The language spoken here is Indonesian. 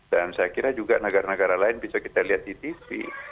dan saya kira juga negara negara lain bisa kita lihat di tv